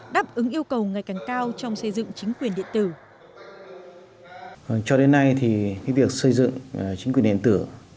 đáp ứng yêu cầu ngày càng cao trong xây dựng chính quyền điện tử